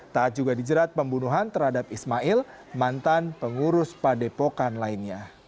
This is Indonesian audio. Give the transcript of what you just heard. taat juga dijerat pembunuhan terhadap ismail mantan pengurus padepokan lainnya